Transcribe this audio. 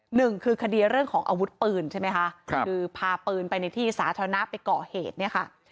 หนึ่งคือคดีเรื่องของอาวุธปืนใช่ไหมคะคือพาปืนไปในที่สาธารณะไปก่อเหตุเนี่ยค่ะ